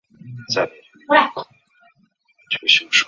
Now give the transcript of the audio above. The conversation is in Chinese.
该机场曾经用作英国皇家空军的。